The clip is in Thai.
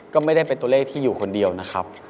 ก็ไม่ได้เป็นตัวเลขที่อยู่คนเดียวนะครับ